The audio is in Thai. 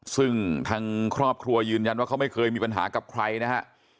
ซึ่งทางครอบครัวยืนยันว่าเขาไม่เคยมีปัญหากับใครนะฮะ